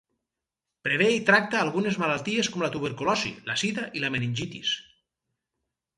Prevé i tracta algunes malalties com la tuberculosi, la sida i la meningitis.